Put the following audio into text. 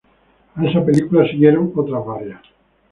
A esa película siguieron otras varias.